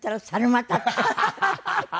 ハハハハ！